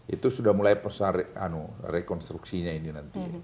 itu sudah mulai rekonstruksinya ini nanti